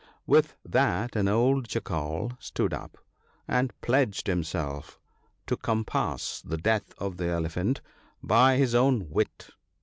With that an old Jackal stood up, and pledged himself to compass the death of the Elephant by his own wit.